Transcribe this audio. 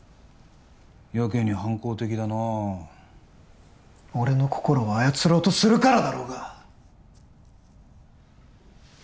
やけに反抗的だな俺の心を操ろうとするからだろうが！